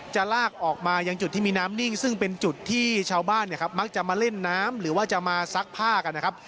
จะลากออกมายังจุดที่มีน้ำนิ่งซึ่งเป็นจุดที่ชาวบ้านเนี่ยครับมักจะมาเล่นน้ำหรือว่าจะมาซักผ้ากันนะครับ